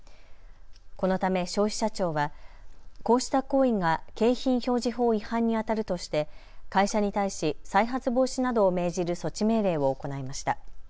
このため消費者庁はこうした行為が景品表示法違反にあたるとして会社に対し再発防止などを命じる措置命令を行いました。